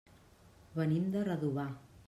Venim de Redovà.